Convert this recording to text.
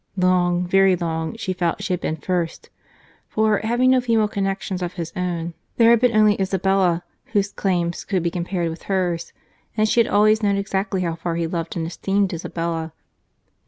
—Long, very long, she felt she had been first; for, having no female connexions of his own, there had been only Isabella whose claims could be compared with hers, and she had always known exactly how far he loved and esteemed Isabella.